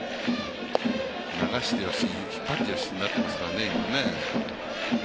流してよし、引っ張ってよしになっていますからね。